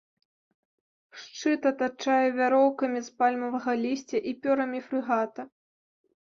Шчыт атачае вяроўкамі з пальмавага лісця і пёрамі фрэгата.